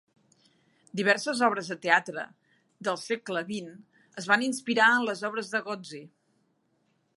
Diverses obres de teatre de el segle XX es van inspirar en les obres de Gozzi.